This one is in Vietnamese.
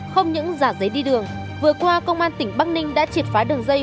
không những giả giấy đi đường vừa qua công an tỉnh bắc ninh đã triệt phá đường dây